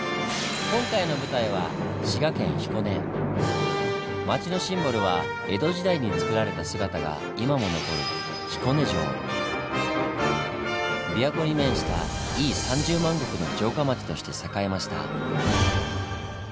今回の舞台は町のシンボルは江戸時代につくられた姿が今も残る琵琶湖に面した井伊３０万石の城下町として栄えました。